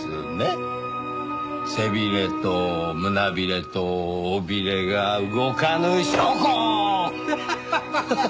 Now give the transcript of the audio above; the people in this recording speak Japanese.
背びれと胸びれと尾びれが動かぬ証拠！